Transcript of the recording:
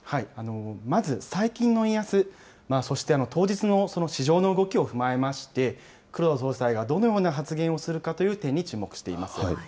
まず、最近の円安、そして当日の市場の動きを踏まえまして、黒田総裁がどのような発言をするかという点に注目しています。